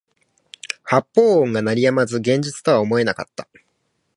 発砲音が鳴り止まず現実とは思えなかった